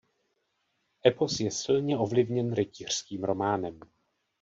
Epos je silně ovlivněn rytířským románem.